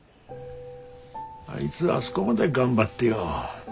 あいづあそごまで頑張ってよ。